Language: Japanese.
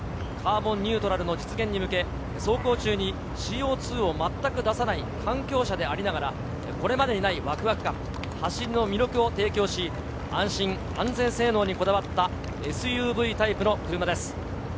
カーボンニュートラルの実現に向け、走行中にＣＯ２を全く出さない環境車でありながら、これまでにないワクワク感、走りの魅力を提供し、安心・安全性能にこだわったＳＵＶタイプの車です。